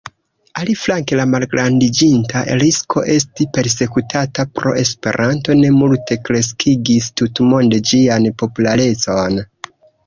Aliflanke, la malgrandiĝinta risko esti persekutata pro Esperanto, ne multe kreskigis tutmonde ĝian popularecon.